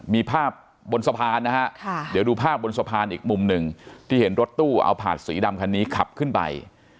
มีภาพบนสะพานนะฮะเดี๋ยวดูภาพบนสะพานอีกมุมหนึ่งที่เห็นรถตู้เอาผาดสีดำคันนี้ขับขึ้นไป